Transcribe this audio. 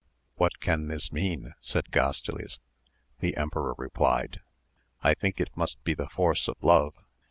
What can this mean 1 said Gastiles, the emperor replied, I think it must be the force of love.